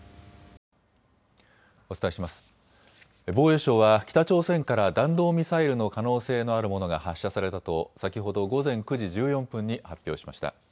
防衛省は北朝鮮から弾道ミサイルの可能性のあるものが発射されたと先ほど午前９時１４分に発表しました。